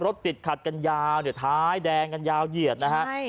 รถติดขัดกันยาวเนี่ยท้ายแดงกันยาวเหยียดนะฮะ